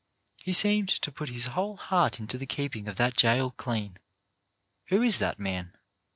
He seemed to put his whole heart into the keeping of that jail clean. ' 'Who is that man?"